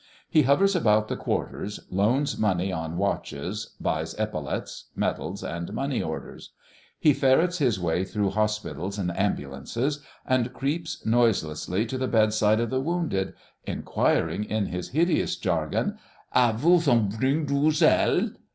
He hovers about the quarters, loans money on watches, buys epaulets, medals, and money orders. He ferrets his way through hospitals and ambulances, and creeps noiselessly to the bedside of the wounded, inquiring in his hideous jargon, "Aff you zumting to zell?"